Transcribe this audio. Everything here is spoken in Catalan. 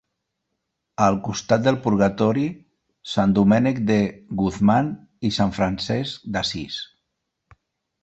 Al costat del Purgatori, Sant Domènec de Guzmán i Sant Francesc d'Assís.